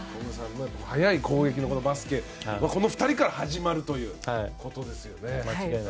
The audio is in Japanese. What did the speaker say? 速い攻撃のバスケはこの２人から始まるということですよね。